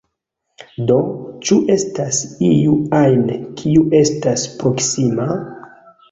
Do, ĉu estas iu ajn, kiu estas proksima?